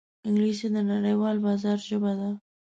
انګلیسي د نړیوال بازار ژبه ده